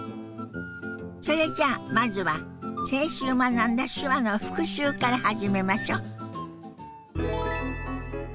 それじゃあまずは先週学んだ手話の復習から始めましょ。